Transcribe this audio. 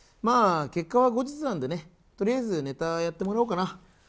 結果は後日なんでね、とりあえずネタやってもらおうかな。